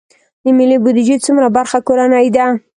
د ملي بودیجې څومره برخه کورنۍ ده؟